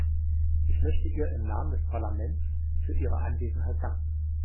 Ich möchte ihr im Namen des Parlaments für ihre Anwesenheit danken.